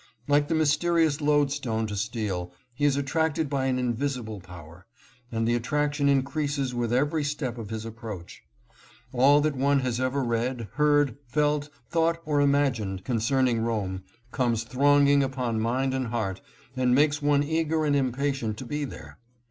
Like the mysterious loadstone to steel, he is attracted by an invisible power, and the attraction increases with every step of his ap proach. All that one has ever read, heard, felt, thought, or imagined concerning Rome comes thronging upon mind and heart and makes one eager and impatient to be there.